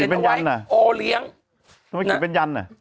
เอาไว้โอเลี้ยงทำไมคิดเป็นยันทำไมคิดเป็นยัน